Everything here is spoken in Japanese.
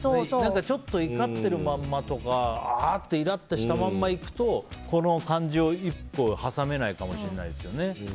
ちょっと怒ってるままとかイラッとしたままいくとこの感じを挟めないかもしれないですね。